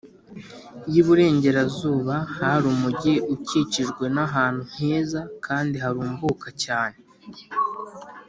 y’iburengerazuba hari umugi ukikijwe n’ahantu heza kandi harumbuka cyane